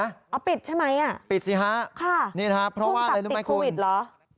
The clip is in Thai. อ้าวปิดใช่ไหมปิดสิฮะนี่นะครับเพราะว่าอะไรรู้ไหมคุณภูมิกับติดโควิดเหรอ